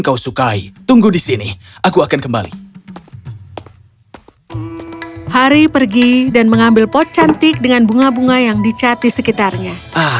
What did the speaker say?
kau sukai tunggu di sini aku akan kembali hari pergi dan mengambil pot cantik dengan bunga bunga yang dicat di sekitarnya